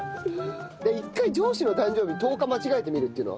一回上司の誕生日を１０日間違えてみるっていうのは？